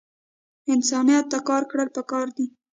انسانیت ته کار کړل پکار دے